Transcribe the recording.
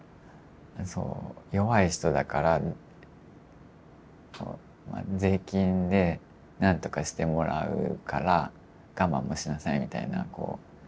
弱い人だから税金でなんとかしてもらうから我慢もしなさいみたいなこう。